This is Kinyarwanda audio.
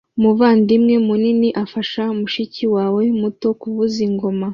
Umuvandimwe munini afasha mushiki wawe muto kuvuza ingoma